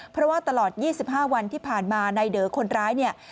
เพราะว่าตลอด๒๕วันที่ผ่านมานายเด๋อคนร้ายเนี่ย